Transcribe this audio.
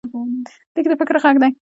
لیک د فکر غږ دی.